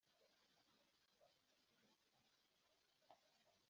Kurongorwa kw’inka babyita Kwima